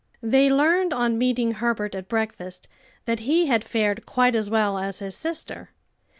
They learned on meeting Herbert at breakfast that he had fared quite as well as his sister.